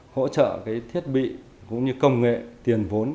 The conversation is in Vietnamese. hỗ trợ cái thiết bị cũng như công nghệ tiền vốn